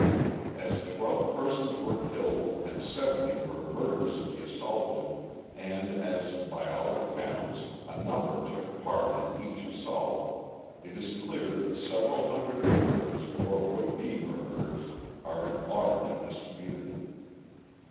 As twelve persons were killed and seventy were murderously assaulted, and as, by all accounts, a number took part in each assault, it is clear that several hundred murderers or would be murderers are at large in this community.